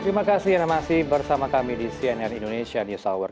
terima kasih anda masih bersama kami di cnn indonesia news hour